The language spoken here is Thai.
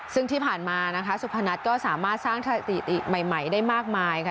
ซึ่งที่ผ่านมานะคะสุพนัทก็สามารถสร้างสถิติใหม่ได้มากมายค่ะ